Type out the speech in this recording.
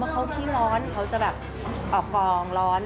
เขาขี้ร้อนเขาจะแบบออกปองร้อน